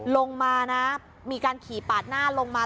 ลงมานะมีการขี่ปาดหน้าลงมา